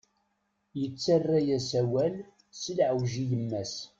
Yettarra-yas awal s leɛweǧ i yemma-s.